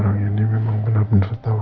gak akan aku lepasin aku